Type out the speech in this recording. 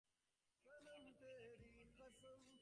হৈম বাবার হাত ধরিয়া তাঁহাকে শোবার ঘরে লইয়া গেল।